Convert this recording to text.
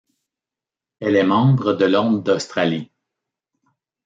Elle est membre de l'Ordre d'Australie.